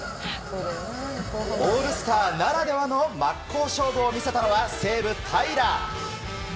オールスターならではの真っ向勝負を見せたのは西武、平良。